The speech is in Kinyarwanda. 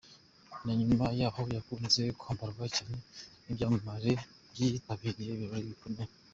Na nyuma yaho yakunze kwambarwa cyane n’ibyamamare byitabiriye ibirori bikomeye.